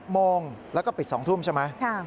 ๑๐โมงแล้วก็ปิด๒ทุ่มใช่ไหมค่ะใช่